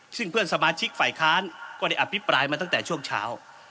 ซึ่งเพื่อนสมาชิกฝ่ายค้านก็ได้อภิปรายมาตั้งแต่ช่วงเช้า